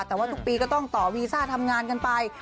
แต่ว่าทุกปีก็ต้องต่อวีซ่าทำงานกันไป